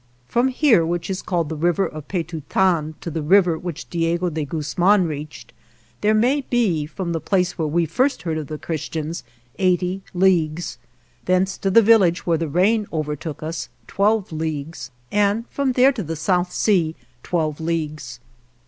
From here, which is called the river of Petutan, 55 to the river which Diego de Guz man reached, there may be, from the place where we first heard of the Christians, eighty leagues ; thence to the village where the rain overtook us, twelve leagues ; and from there to the South Sea twelve leagues.